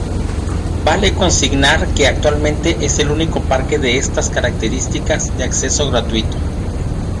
Vale consignar que actualmente es el único parque de estas características de acceso gratuito.